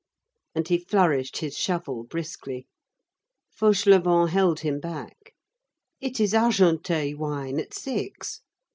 And he flourished his shovel briskly. Fauchelevent held him back. "It is Argenteuil wine, at six."